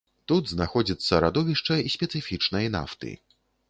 Тут знаходзіцца радовішча спецыфічнай нафты.